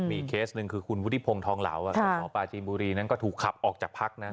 มีเคสหนึ่งคือคุณวุฒิพงศ์ทองเหลาหมอปลาจีนบุรีนั้นก็ถูกขับออกจากพักนะ